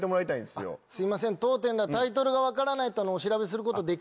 すいません当店ではタイトルが分からないとお調べすることできない。